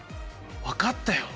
分かったよ！